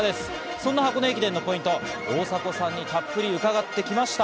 その箱根駅伝のポイント、大迫さんにたっぷり伺ってきました。